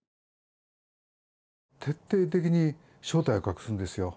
徹底的に正体を隠すんですよ。